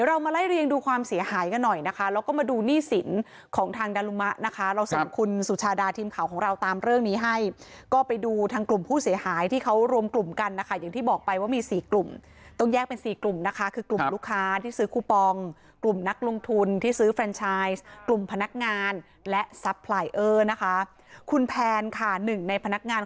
เรามาไล่เรียงดูความเสียหายกันหน่อยนะคะแล้วก็มาดูหนี้สินของทางดารุมะนะคะเราส่งคุณสุชาดาทีมข่าวของเราตามเรื่องนี้ให้ก็ไปดูทางกลุ่มผู้เสียหายที่เขารวมกลุ่มกันนะคะอย่างที่บอกไปว่ามีสี่กลุ่มต้องแยกเป็นสี่กลุ่มนะคะคือกลุ่มลูกค้าที่ซื้อคูปองกลุ่มนักลงทุนที่ซื้อเฟรนชายกลุ่มพนักงานและซับพลายเออร์นะคะคุณแพนค่ะหนึ่งในพนักงาน